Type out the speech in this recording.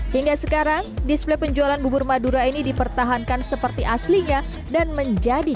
hingga sekarang display penjualan bubur madura ini dipertahankan seperti aslinya dan menjadi